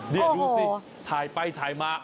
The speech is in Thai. นี่ดูสิถ่ายไปถ่ายมา